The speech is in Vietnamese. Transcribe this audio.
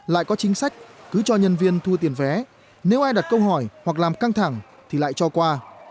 lại có chính sách cứ cho nhân viên thu tiền vé nếu ai đặt câu hỏi hoặc làm căng thẳng thì lại cho qua